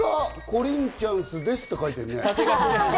「コリンチャンス」って書いてあるもん！